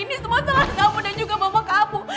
ini semua salah kamu dan juga mama kamu